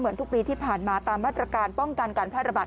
ทุกปีที่ผ่านมาตามมาตรการป้องกันการแพร่ระบาด